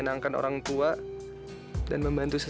sampai jumpa di video selanjutnya